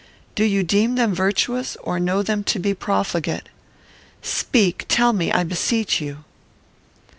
Do you deem them virtuous, or know them to be profligate? Speak! tell me, I beseech you!"